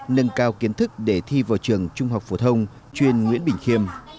nâng cao kiến thức để thi vào trường trung học phổ thông chuyên nguyễn bình khiêm